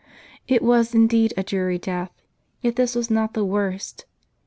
It was indeed a dreary death ; yet this was not the worst.